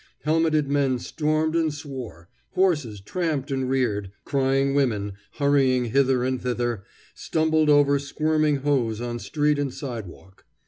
Helmeted men stormed and swore; horses tramped and reared; crying women, hurrying hither and thither, stumbled over squirming hose on street and sidewalk.